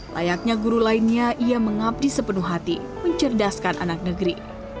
layaknya guru lainnya ia mengabdi sepenuh hati mencerdaskan anak negeri